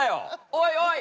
おいおい！